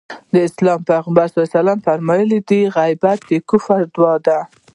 د اسلام پيغمبر ص وفرمايل د غيبت کفاره دعا ده.